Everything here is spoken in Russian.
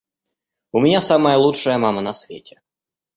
У меня самая лучшая мама на свете.